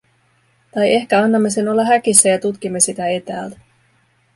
Tai ehkä annamme sen olla häkissä ja tutkimme sitä etäältä.